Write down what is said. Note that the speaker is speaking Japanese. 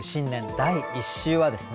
第１週はですね